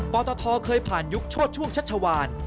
ตทเคยผ่านยุคโชดช่วงชัชวาน